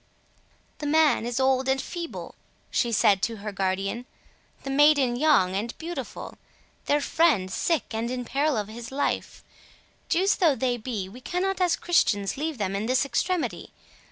"The man is old and feeble," she said to her guardian, "the maiden young and beautiful, their friend sick and in peril of his life—Jews though they be, we cannot as Christians leave them in this extremity.